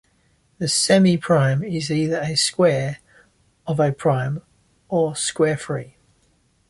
A semiprime is either a square of a prime or square-free.